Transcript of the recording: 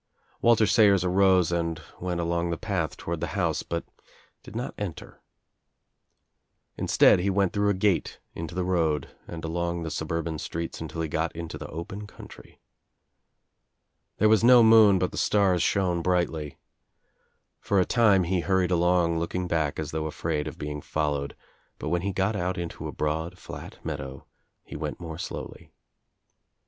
Walter Sayers arose and went along the path toward the house but did not enter. Instead he went through a gate Into the road and along the suburban streets until he got into the open country. There was no moon but the stars shone brightly. For a time he hurried along looking back as though afraid of being followed, but when he got out into a broad flat meadow he went more slowly.